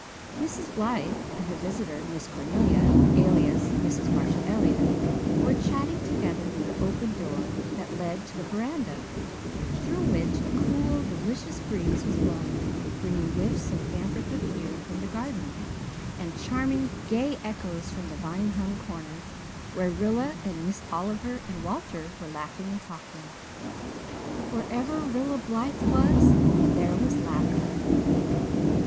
Mrs. Blythe and her visitor, Miss Cornelia alias Mrs. Marshall Elliott were chatting together near the open door that led to the veranda, through which a cool, delicious breeze was blowing, bringing whiffs of phantom perfume from the garden, and charming gay echoes from the vine hung corner where Rilla and Miss Oliver and Walter were laughing and talking. Wherever Rilla Blythe was, there was laughter.